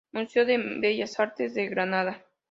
Museo de Bellas Artes de Granada